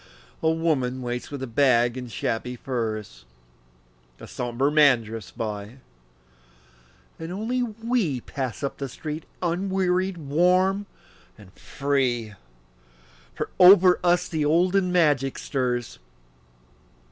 A woman waits with bag and shabby furs, A somber man drifts by, and only we Pass up the street unwearied, warm and free, For over us the olden magic stirs.